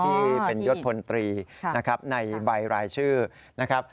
ที่เป็นยศพลตรีนะครับในใบรายชื่อนะครับ